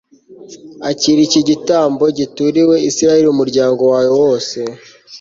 akira iki gitambo gituriwe israheli umuryango wawe wose